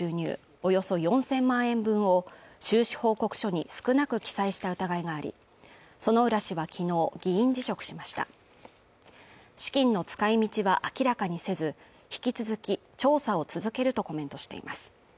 およそ４０００万円分を収支報告書に少なく記載した疑いがあり薗浦氏は昨日議員辞職しました資金の使いみちは明らかにせず引き続き調査を続けるとコメントしています